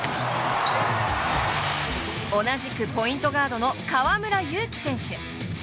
同じくポイントガードの河村勇輝選手。